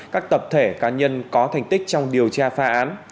các tập thể cá nhân có thành tích trong điều tra phá án